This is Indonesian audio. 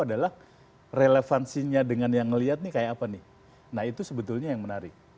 adalah relevansinya dengan yang ngelihat nih kayak apa nih nah itu sebetulnya yang menarik